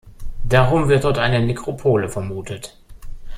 Darum wird dort eine Nekropole vermutet.